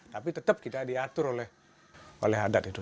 tapi tetap kita diatur oleh adat itu